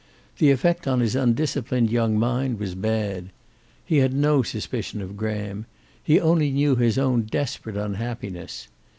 The effect on his undisciplined young mind was bad. He had no suspicion of Graham. He only knew his own desperate unhappiness.